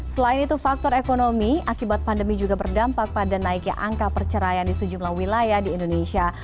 selain itu faktor ekonomi akibat pandemi juga berdampak pada naiknya angka perceraian di sejumlah wilayah di indonesia